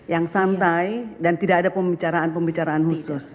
yang santai dan tidak ada pembicaraan pembicaraan khusus